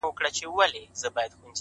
د زړه نرمي انسان محبوبوي!